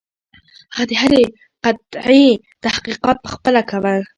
هغه د هرې قطعې تحقیقات پخپله کول.